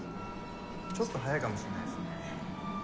ちょっと速いかもしれないですね。